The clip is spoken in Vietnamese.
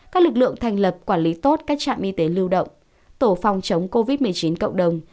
các lực lượng thành lập quản lý tốt các trạm y tế lưu động tổ phòng chống covid một mươi chín cộng đồng